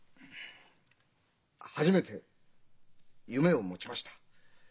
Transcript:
初めて夢を持ちました。